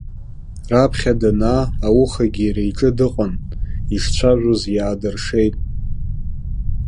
Раԥхьа данаа аухагьы иара иҿы дыҟан, ишцәажәоз иаадыршеит.